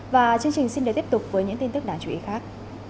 và chương trình xin được tiếp tục với những tin tức đáng chú ý khác